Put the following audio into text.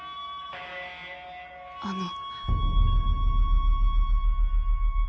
あの。